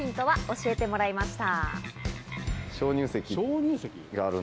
教えてもらいました。